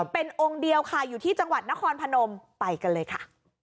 เป็นองค์เดียวค่ะอยู่ที่จังหวัดนครพนมไปกันเลยค่ะ